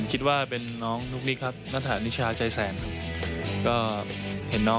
เห็นน้องเขาตั้งแต่เด็ก